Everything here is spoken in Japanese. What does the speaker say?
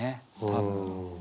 多分。